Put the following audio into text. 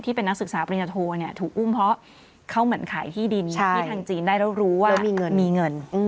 เป็นนักศึกษาปริญญาโทถูกอุ้มเพราะเขาเหมือนขายที่ดินที่ทางจีนได้แล้วรู้ว่ามีเงินมีเงิน